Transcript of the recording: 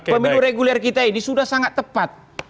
pemilu reguler kita ini sudah sangat tepat